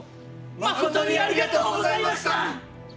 まことにありがとうございました！